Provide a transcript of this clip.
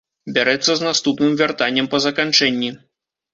Бярэцца з наступным вяртаннем па заканчэнні.